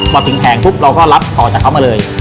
บอกถึงแข็งเราก็รับต่อจากเขามาเลย